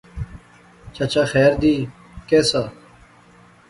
چچا خیر دی، کہہ سا؟